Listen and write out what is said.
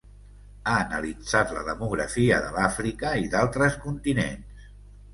Ha analitzat la demografia de l'Àfrica i d'altres continents.